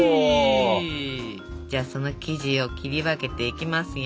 じゃあその生地を切り分けていきますよ。